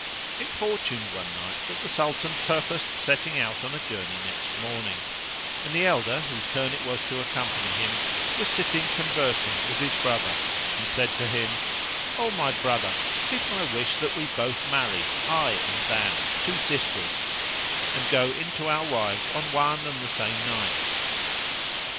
It fortuned one night that the Sultan purposed setting out on a journey next morning, and the elder, whose turn it was to accompany him, was sitting conversing with his brother and said to him, "O my brother, it is my wish that we both marry, I and thou, two sisters; and go in to our wives on one and the same night."